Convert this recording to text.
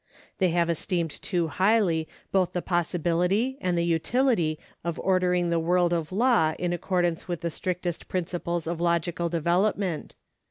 They have esteemed too highly both the possibility and the utility of ordering the ■world of law in accordance with the straitest principles of logical develop ment.